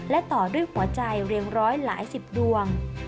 และต่อด้วยหัวใจเรียงร้อยหลายสิบดวง